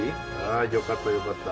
あよかったよかった！